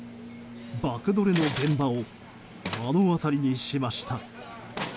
爆どれの現場を目の当たりにしました。